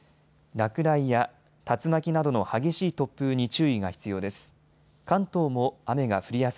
落雷や竜巻などの激しい突風に注意が必要です。